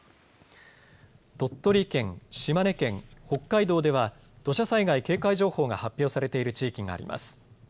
鳥取県、島根県、北海道では土砂災害警戒情報が発表されている地域があります。